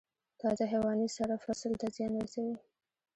تازه حیواني سره فصل ته زیان رسوي؟